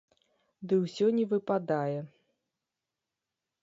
Ды ўсё не выпадае.